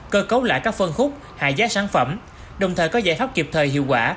cơ cấu lại các phân khúc hạ giá sản phẩm đồng thời có giải pháp kịp thời hiệu quả